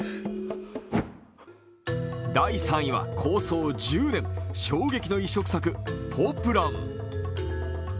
第３位は構想１０年、衝撃の異色作、「ポプラン」。